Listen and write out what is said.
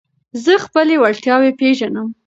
زه خپلي وړتیاوي پېژنم.